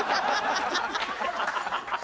ハハハハ！